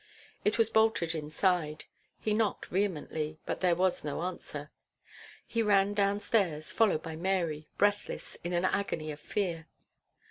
It was bolted inside. He knocked vehemently; but there was no answer. He ran downstairs, followed by Mary, breathless, in an agony of fear.